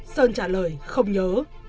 sơn trả lời không nhớ